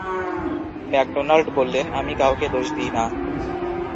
McDonald বললেন, আমি কাউকে দোষ দিই না।